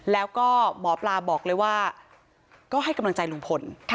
แล้วก็หมอปลาบอกเลยว่าก็ให้กำลังใจลุงพล